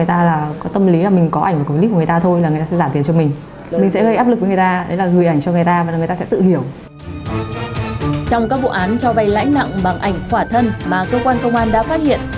trong các vụ án cho vay lãi nặng bằng ảnh quả thân mà cơ quan công an đã phát hiện